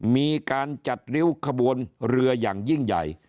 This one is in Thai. มีการจัดริ้วขบวนเรืออย่างยิ่งใหญ่